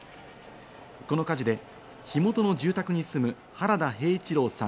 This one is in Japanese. この火事で火元の住宅に住む原田平一郎さん